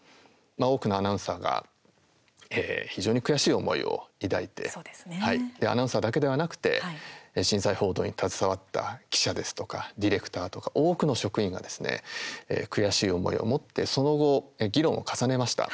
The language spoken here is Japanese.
多くのアナウンサーが非常に悔しい思いを抱いてアナウンサーだけではなくて震災報道に携わった記者ですとかディレクターとか多くの職員がですね悔しい思いを持ってその後、議論を重ねました。